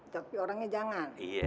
tapi orangnya jangan